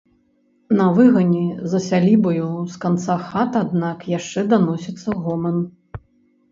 На выгане, за сялібаю, з канца хат, аднак, яшчэ даносіцца гоман.